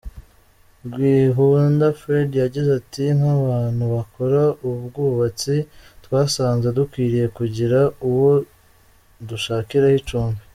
Rwihunda Fred yagize ati ”Nk’abantu bakora ubwubatsi twasanze dukwiriye kugira uwo dushakira icumbi.